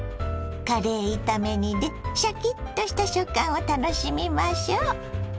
カレー炒め煮でシャキッとした食感を楽しみましょ。